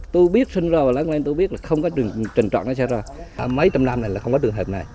trước đó không lâu